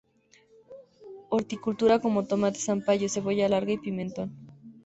Horticultura como tomate, zapallo, cebolla larga y pimentón.